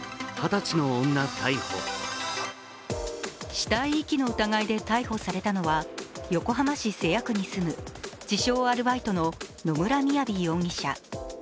死体遺棄の疑いで逮捕されたのは横浜市瀬谷区に住む自称アルバイトの野村雅容疑者。